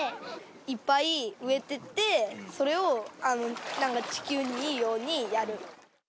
いっぱい植えてって、それを、なんか地球にいいようにやる。